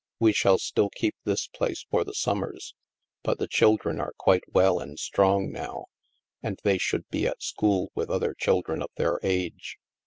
We shall still keep this place for the summers. But the children are quite well and strong now, and they should be at school with other children of their age.